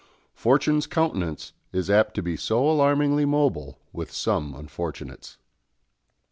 Fortune's countenance is apt to be so alarmingly mobile with some unfortunates.